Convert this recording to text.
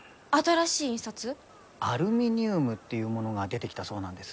アルミニウムっていうものが出てきたそうなんです。